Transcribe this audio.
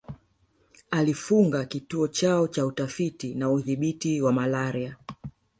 Alifunga Kituo chao cha Utafiti na Udhibiti wa malaria